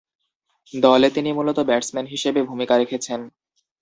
দলে তিনি মূলতঃ ব্যাটসম্যান হিসেবে ভূমিকা রেখেছেন।